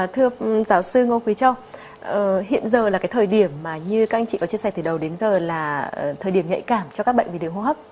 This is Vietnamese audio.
thưa giáo sư ngô quý châu hiện giờ là cái thời điểm mà như các anh chị có chia sẻ từ đầu đến giờ là thời điểm nhạy cảm cho các bệnh về đường hô hấp